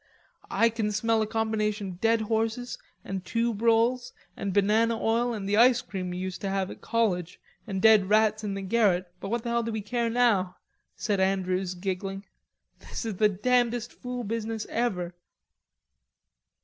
"I can smell a combination of dead horses and tube roses and banana oil and the ice cream we used to have at college and dead rats in the garret, but what the hell do we care now?" said Andrews, giggling. "This is the damnedest fool business ever...."